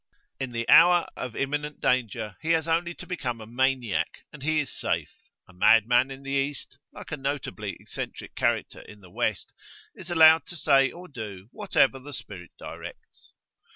In the hour of imminent danger, he has only to become a maniac, and he is safe; a madman in the East, like a notably eccentric character in the West, is allowed to say or do whatever the spirit directs.